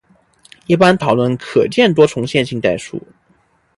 一般讨论可见多重线性代数。